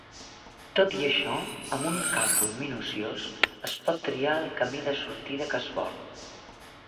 Tot i això, amb un càlcul minuciós, es pot triar el "camí" de sortida que es vol.